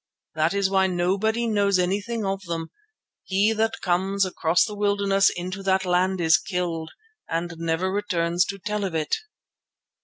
That is why nobody knows anything about them: he that comes across the wilderness into that land is killed and never returns to tell of it.